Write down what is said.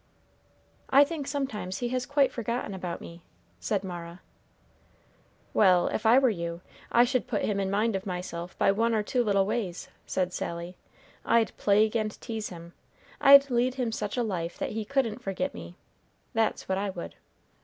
"I think sometimes he has quite forgotten about me," said Mara. "Well, if I were you, I should put him in mind of myself by one or two little ways," said Sally. "I'd plague him and tease him. I'd lead him such a life that he couldn't forget me, that's what I would."